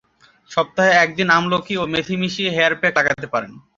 সপ্তাহে এক দিন আমলকী ও মেথি মিশিয়ে হেয়ার প্যাক লাগাতে পারেন।